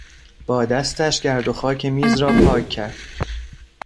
با دستش گرد و خاک میز را پاک کرد.